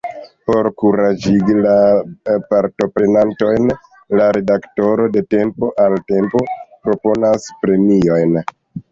Por kuraĝigi la partoprenantojn, la redaktoro de tempo al tempo proponas premiojn.